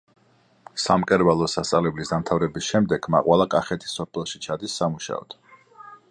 სამკერვალო სასწავლებლის დამთავრების შემდეგ მაყვალა კახეთის სოფელში ჩადის სამუშაოდ.